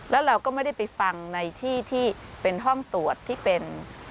แล้วเราก็ไม่ได้ไปฟังในที่ที่เป็นห้องตรวจที่เป็น